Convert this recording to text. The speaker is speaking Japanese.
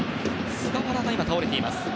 菅原が倒れています。